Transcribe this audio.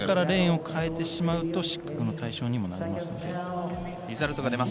レーンを変えてしまうと失格の対象にもなります。